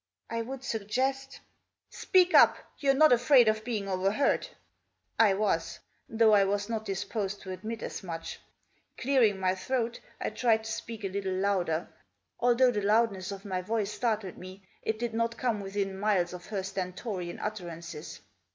" I would suggest "" Speak up. You're not afraid of being overheard." I was, though I was not disposed to admit as much. Clearing my throat, I tried to speak a little 10 Digitized by TAB JOSS. louder. Although the loudness of my voice startled me, It did not come within miles of her stentorian utterances.